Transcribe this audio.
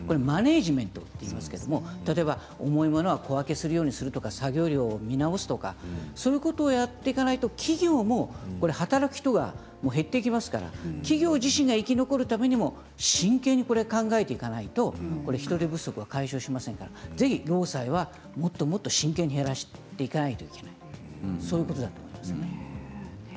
マネージメントといいますけれども例えば重いものは小分けするようにするとか作業量を見直すとかそういうことをやっていかないと企業も働く人が減っていきますから企業自身が生き残るためにも真剣に、これは考えていかないと人手不足は解消しませんからぜひ労災はもっともっと真剣に減らしていかなければいけないそういうことなんですよね。